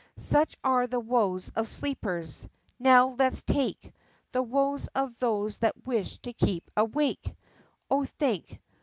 Such are the woes of sleepers now let's take The woes of those that wish to keep a Wake! O think!